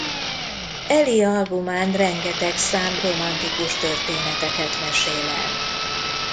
Ellie albumán rengeteg szám romantikus történeteket mesél el.